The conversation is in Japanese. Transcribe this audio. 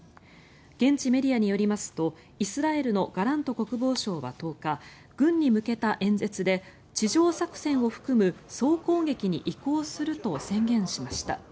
現地メディアによりますとイスラエルのガラント国防相は１０日軍に向けた演説で地上作戦を含む総攻撃に移行すると宣言しました。